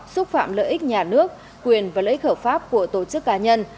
xúc phạm lợi ích nhà nước quyền và lợi ích hợp pháp của tổ chức cá nhân